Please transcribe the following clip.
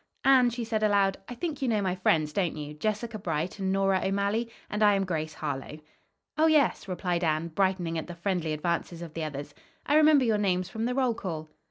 "Anne," she said aloud, "I think you know my friends, don't you Jessica Bright and Nora O'Malley? And I am Grace Harlowe." "Oh, yes," replied Anne, brightening at the friendly advances of the others. "I remember your names from the roll call."